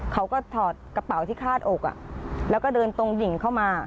ถอดกระเป๋าที่คาดอกแล้วก็เดินตรงดิ่งเข้ามา